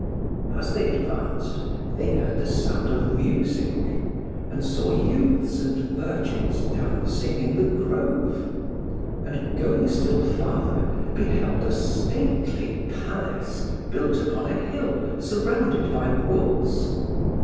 As they advanced they heard the sound of music, and saw youths and virgins dancing in the grove; and going still farther beheld a stately palace built upon a hill surrounded by woods.